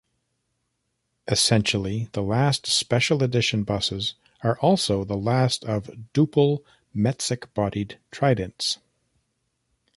Essentially, the last special edition buses are also the last of Duple Metsec-bodied Tridents.